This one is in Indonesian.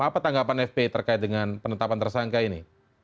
apa tanggapan fpi terkait dengan penetapan tersangka ini